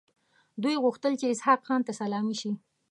دوی غوښتل چې اسحق خان ته سلامي شي.